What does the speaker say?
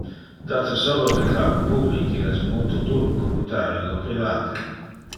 Date solo le clave public, il es multo dur computar illo private.